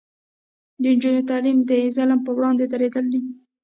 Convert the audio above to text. د نجونو تعلیم د ظلم پر وړاندې دریدل دي.